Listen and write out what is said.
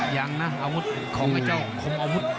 ยังนะอาวุธของไอ้เจ้าคมอาวุธ